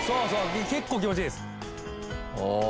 結構気持ちいいです。